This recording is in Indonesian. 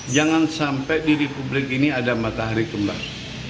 jangan sampai di republik ini ada matahari kembang